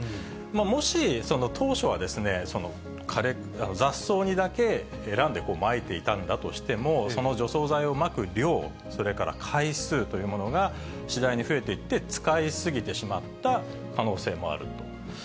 もし、当初は、雑草にだけ、選んでまいていたんだとしても、その除草剤をまく量、それから回数というものが次第に増えていって、使い過ぎてしまった可能性もあると。